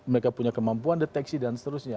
mereka punya kemampuan deteksi dan seterusnya